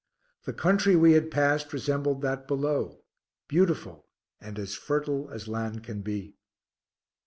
The country we had passed resembled that below, beautiful, and as fertile as land can be.